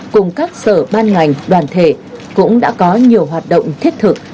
cùng các sở ban ngành đoàn thể cũng đã có nhiều hoạt động thiết thực